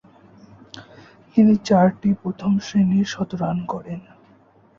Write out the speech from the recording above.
তিনি চারটি প্রথম-শ্রেণীর শতরান করেন।